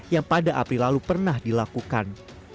yang pada april lalu pernah dilakukan